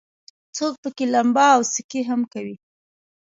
څوک پکې لمبا او سکي هم کوي.